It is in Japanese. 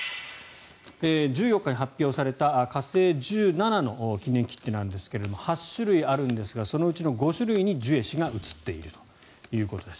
１４日に発表された火星１７の記念切手ですが８種類あるんですがそのうちの５種類にジュエ氏が写っているということです。